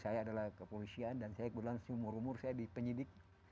saya adalah kepolisian dan kebetulan seumur umur saya dipenyidik